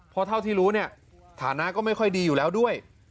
เพราะเท่าที่รู้เนี่ยฐานะก็ไม่ค่อยดีอยู่แล้วด้วย